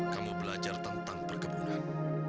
kamu belajar tentang perkebunan